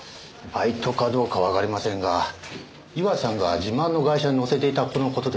バイトかどうかはわかりませんが岩瀬さんが自慢の外車に乗せていた子の事でしょうか？